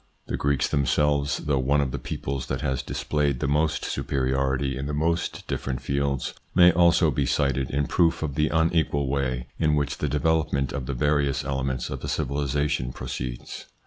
The Greeks themselves, though one of the peoples that has displayed the most superiority in the most different fields, may also be cited in proof of the unequal way in which the development of the various elements of a civilisation proceeds.